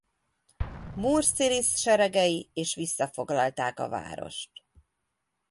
Murszilisz seregei és visszafoglalták a várost.